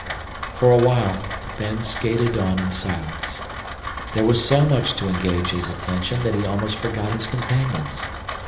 For a while Ben skated on in silence. There was so much to engage his attention that he almost forgot his companions.